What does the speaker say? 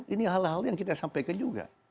ini hal hal yang kita sampai ke juga